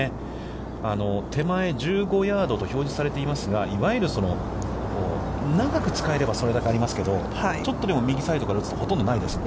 手前１５ヤードと表示されていますが、いわゆる長く使えれば、それだけありますけど、ちょっとでも右サイドから打つとほとんどないですね。